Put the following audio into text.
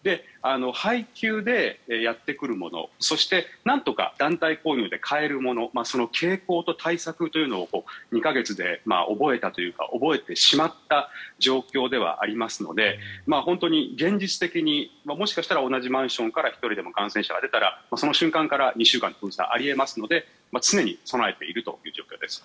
配給でやってくるものそしてなんとか団体購入で買えるものその傾向と対策というのを２か月で覚えたというか覚えてしまった状況ではありますので本当に現実的に、もしかしたら同じマンションから１人でも感染者が出たらその瞬間から２週間の封鎖があり得ますので常に備えているという状況です。